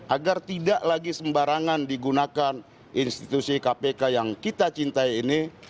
agar tidak lagi sembarangan digunakan institusi kpk yang kita cintai ini